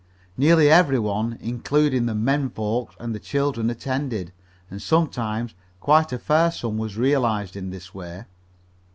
Nearly every one, including the "men folks" and the children, attended, and sometimes quite a fair sum was realized in this way.